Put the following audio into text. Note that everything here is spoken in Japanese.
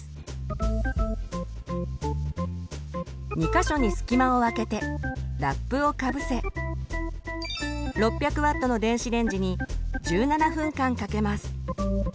２か所に隙間をあけてラップをかぶせ６００Ｗの電子レンジに１７分間かけます。